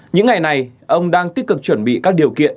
những ngày này ông đang tích cực chuẩn bị các điều kiện